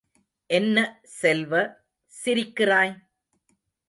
என்ன செல்வ, சிரிக்கிறாய்?